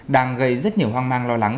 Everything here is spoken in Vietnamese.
đang gây rất nhiều hoang mang lo lắng